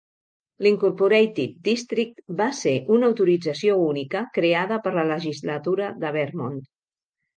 L'Incorporated District va ser una autorització única creada per la legislatura de Vermont.